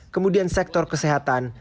kemudian sektor kesehatan